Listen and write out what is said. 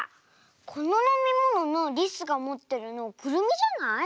こののみもののりすがもってるのくるみじゃない？